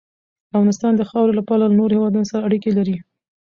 افغانستان د خاورې له پلوه له نورو هېوادونو سره اړیکې لري.